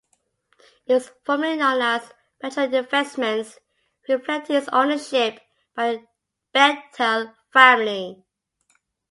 It was formerly known as Bechtel Investments, reflecting its ownership by the Bechtel family.